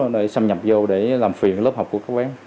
để xâm nhập vô để làm phiền lớp học của các bạn